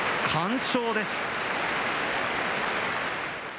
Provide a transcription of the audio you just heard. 完勝です。